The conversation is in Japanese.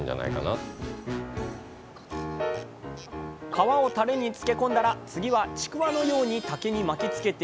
皮をタレにつけ込んだら次はちくわのように竹に巻き付けていきます。